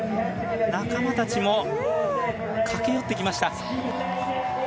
仲間たちも駆け寄ってきました。